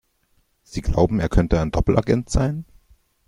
Sie glauben, er könnte ein Doppelagent sein?